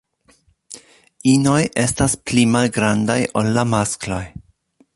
Inoj estas pli malgrandaj ol la maskloj.